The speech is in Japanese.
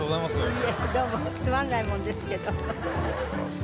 いいえどうもつまんないもんですけど。